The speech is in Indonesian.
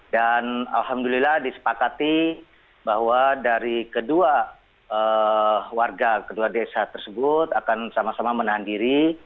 dan alhamdulillah disepakati bahwa dari kedua warga kedua desa tersebut akan sama sama menahan diri